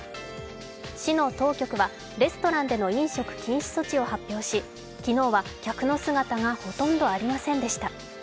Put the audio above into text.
市の当局は、レストランでの飲食禁止措置を発令し、昨日は客の姿がほとんどありませんでした。